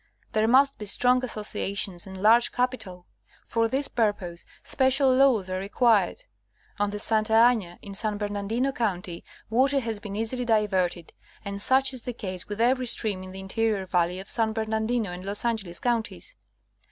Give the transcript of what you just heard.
There must be strong associations and large capital. For this purpose special laws are required. On the Santa Aiia, in San Bernardino county, water has been easily diverted, and such is the case with every stream in the interior valley of San Bernardino and Los Angeles counties.